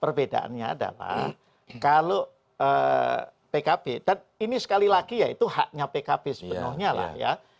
perbedaannya adalah kalau pkb dan ini sekali lagi ya itu haknya pkb sepenuhnya lah ya